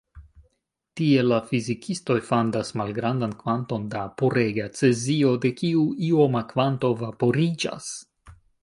Tie la fizikistoj fandas malgrandan kvanton da purega cezio, de kiu ioma kvanto vaporiĝas.